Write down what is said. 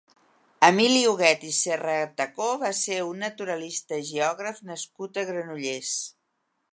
Emili Huguet i Serratacó va ser un naturalista i geògraf nascut a Granollers.